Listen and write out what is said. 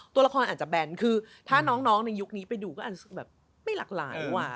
ตัวละครอาจจะแบนคือถ้าน้องในยุคนี้ไปดูก็อาจจะแบบไม่หลากหลายว่ะ